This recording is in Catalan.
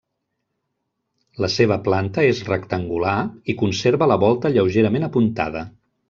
La seva planta és rectangular i conserva la volta lleugerament apuntada.